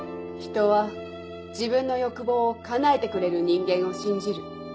人は自分の欲望をかなえてくれる人間を信じる